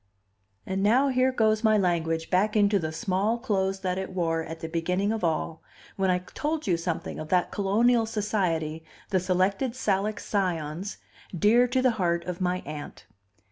And now here goes my language back into the small clothes that it wore at the beginning of all, when I told you something of that colonial society, the Selected Salic Scions, dear to the heart of my Aunt.